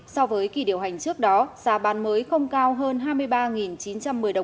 so với kỳ điều hành trước đó giá bán mới không cao hơn hai mươi ba